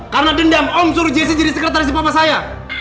karena dendam om suruh jessica jadi sekretaris di papa saya